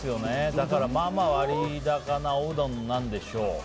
だから、まあまあ割高なおうどんなんでしょう。